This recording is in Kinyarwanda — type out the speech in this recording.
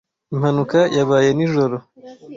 Impanuka yabaye nijoro.